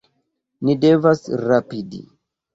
Ni devas rapidi!